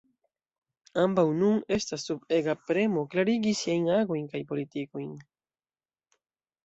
Ambaŭ nun estas sub ega premo klarigi siajn agojn kaj politikojn.